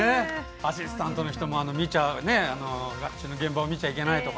アシスタントの方も現場を見ちゃいけないとか